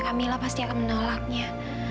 kamila pasti akan menolaknya